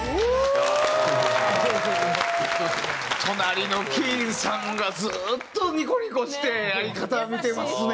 隣のＫＥＥＮさんがずっとニコニコして相方を見てますね。